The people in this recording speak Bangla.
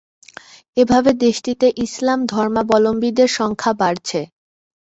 এভাবে দেশটিতে ইসলাম ধর্মাবলম্বীদের সংখ্যা বাড়ছে।